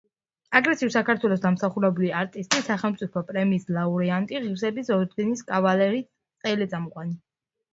აგრეთვე საქართველოს დამსახურებული არტისტი, სახელმწიფო პრემიის ლაურეატი, ღირსების ორდენის კავალერი, ტელეწამყვანი.